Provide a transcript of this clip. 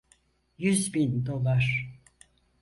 Yüz bin dolar.